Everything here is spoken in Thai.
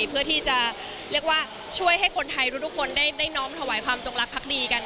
เพื่อที่จะเรียกว่าช่วยให้คนไทยทุกคนได้น้อมถวายความจงรักพักดีกัน